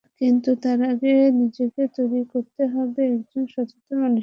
কিন্তু তার আগে নিজেকে তৈরি করতে হবে, একজন সচেতন মানুষ হিসেবে।